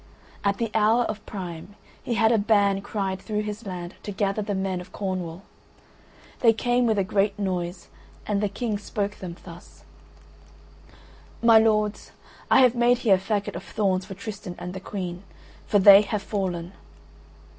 At the hour of Prime he had a ban cried through his land to gather the men of Cornwall; they came with a great noise and the King spoke them thus: "My lords, I have made here a faggot of thorns for Tristan and the Queen; for they have fallen."